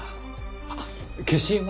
あっ消印は？